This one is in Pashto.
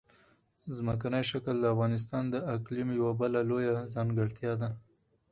ځمکنی شکل د افغانستان د اقلیم یوه بله لویه ځانګړتیا ده.